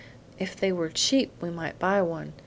If they were cheap we might buy one.